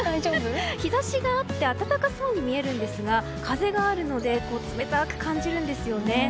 日差しがあって暖かそうに見えるんですが風があるので冷たく感じるんですよね。